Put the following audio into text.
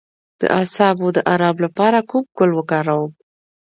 د اعصابو د ارام لپاره کوم ګل وکاروم؟